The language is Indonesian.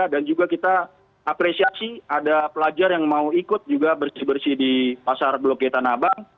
dan juga kita apresiasi ada pelajar yang mau ikut juga bersih bersih di pasar blok gita tanah bank